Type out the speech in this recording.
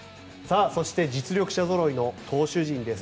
そして、実力者ぞろいの投手陣です。